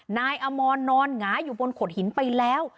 นายอมรนอนหงายอยู่บนโขดหินไปแล้ว